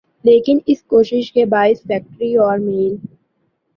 لیکن اس کوشش کے باعث فیکٹری اور میل